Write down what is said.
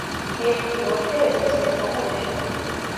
ერთი, ორი და ესეც მესამე ვეშაპი.